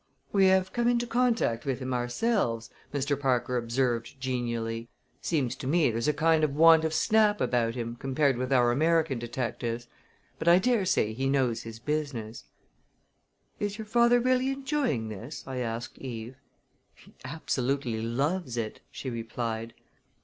"We have come into contact with him ourselves," Mr. Parker observed genially. "Seems to me there's a kind of want of snap about him compared with our American detectives; but I dare say he knows his business." "Is your father really enjoying this?" I asked Eve. "He absolutely loves it!" she replied.